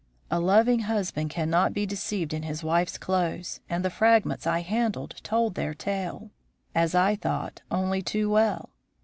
A loving husband cannot be deceived in his wife's clothes, and the fragments I handled told their tale, as I thought, only too well.